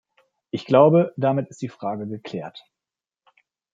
Ich glaube, damit ist die Frage geklärt.